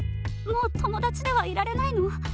もう友だちではいられないの？